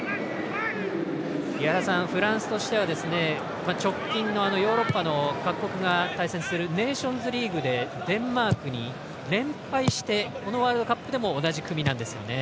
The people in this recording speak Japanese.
フランスとしては直近のヨーロッパの各国が対戦するネーションズリーグでデンマークに連敗してこのワールドカップでも同じ組なんですよね。